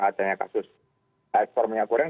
adanya kasus ekspor minyak goreng